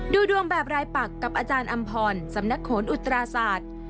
ดูดวงแบบรายปักกับอาจารย์อำพรสำนักโหนอุตราศาสตร์